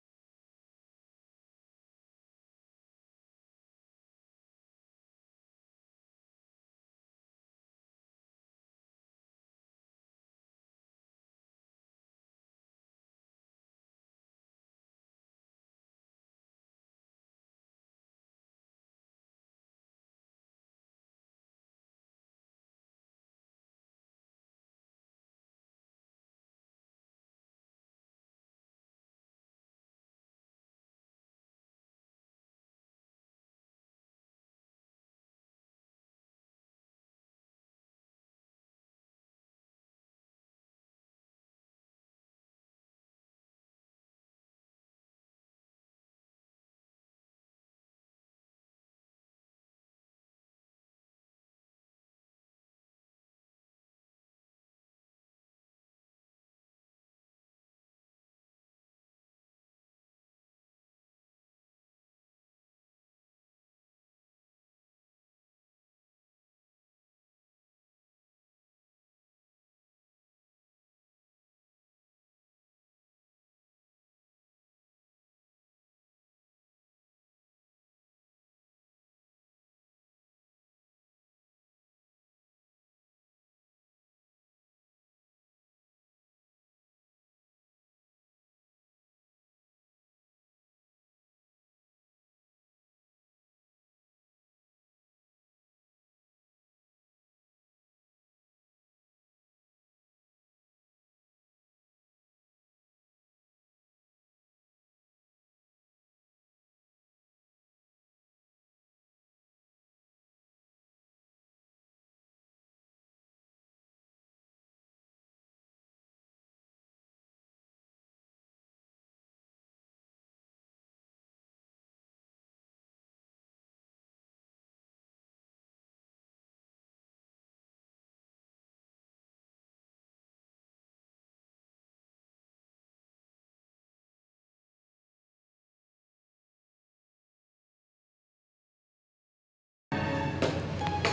saya minta kalian keluar dari sini